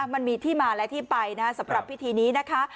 มันมีที่มาและที่ไปนะสำหรับพิธีนี้นะคะ